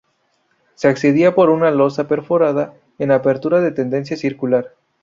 Se accedía por una losa perforada en apertura de tendencia circular.